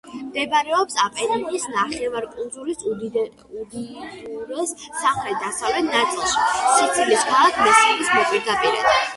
მდებარეობს აპენინის ნახევარკუნძულის უკიდურეს სამხრეთ-დასავლეთ ნაწილში, სიცილიის ქალაქ მესინის მოპირდაპირედ.